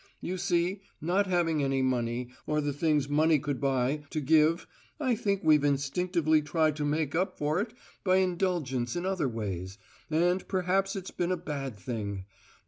You see, not having any money, or the things money could buy, to give, I think we've instinctively tried to make up for it by indulgence in other ways, and perhaps it's been a bad thing.